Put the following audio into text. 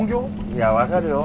いや分かるよ。